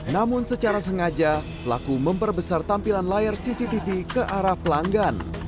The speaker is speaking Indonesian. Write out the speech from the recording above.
namun secara sengaja pelaku memperbesar tampilan layar cctv ke arah pelanggan